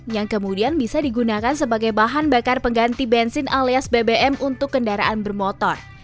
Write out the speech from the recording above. yang kemudian bisa digunakan sebagai bahan bakar pengganti bensin alias bbm untuk kendaraan bermotor